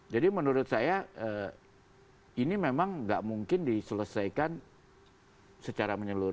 jadi menurut saya ini memang nggak mungkin diselesaikan